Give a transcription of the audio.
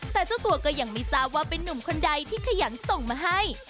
แต่เจ้าตัวก็ยังไม่ทราบว่าเป็นนุ่มคนใดที่ขยันส่งมาให้